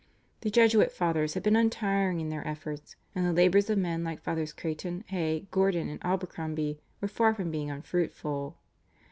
The Jesuit Fathers had been untiring in their efforts, and the labours of men like Fathers Creighton, Hay, Gordon, and Abercromby were far from being unfruitful.